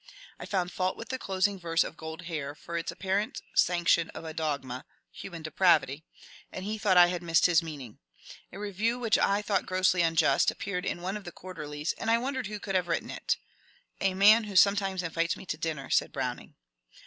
I found fault with the closing verse of " Gold Hair " for its apparent sanction of a dogma (Human Depravity), and he thought I had missed his meaning. A review which I thought grossly unjust appeared in one of the quarterlies and I wondered who could have written it. " A man who sometimes invites me to dinner^" said Browning.